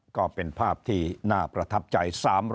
ก็เป็นภาพที่น่าประทับใจ